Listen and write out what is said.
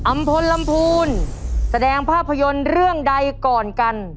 พลลำพูนแสดงภาพยนตร์เรื่องใดก่อนกัน